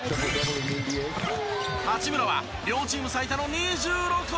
八村は両チーム最多の２６得点。